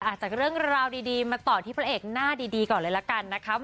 จากเรื่องราวดีมาต่อที่พระเอกหน้าดีก่อนเลยละกันนะคะ